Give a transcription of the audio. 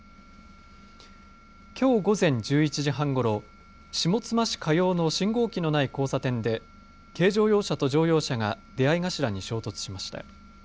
きょう午前１１時半ごろ、下妻市加養の信号機のない交差点で軽乗用車と乗用車が出会い頭に衝突しました。